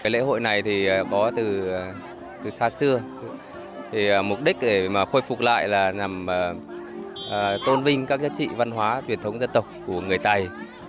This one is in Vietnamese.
lễ hội này có từ xa xưa mục đích để khôi phục lại là tôn vinh các giá trị văn hóa truyền thống dân tộc của người tài